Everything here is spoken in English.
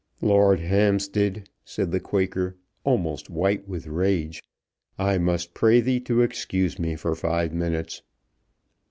"Lord Hampstead," said the Quaker, almost white with rage, "I must pray thee to excuse me for five minutes."